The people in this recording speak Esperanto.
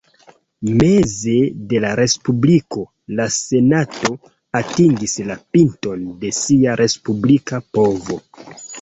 Meze de la Respubliko, la Senato atingis la pinton de sia respublika povo.